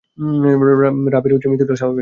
রাভির মৃত্যুটা স্বাভাবিক নয়।